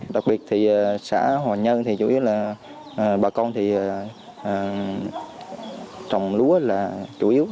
đặc biệt thì xã hòa nhân thì chủ yếu là bà con thì trồng lúa là chủ yếu